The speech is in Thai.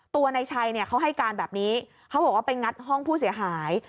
ตัวนายชัยเนี่ยเขาให้การแบบนี้เขาบอกว่าไปงัดห้องผู้เสียหาย